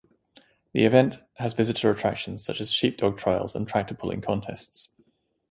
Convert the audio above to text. The event has visitor attractions such as sheepdog trials and tractor pulling contests.